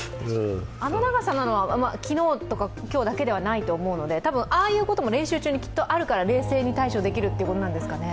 あの長さは昨日とか今日だけではないと思うのでああいうことも練習中にきっとあるから冷静に対処できるということですかね。